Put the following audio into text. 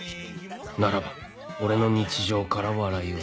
ならば俺の日常から笑いを探す。